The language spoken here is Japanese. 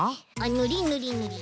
ぬりぬりぬり。